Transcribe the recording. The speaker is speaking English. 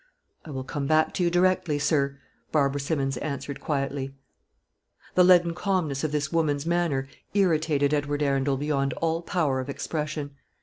"I will come back to you directly, sir," Barbara Simmons answered quietly. The leaden calmness of this woman's manner irritated Edward Arundel beyond all power of expression.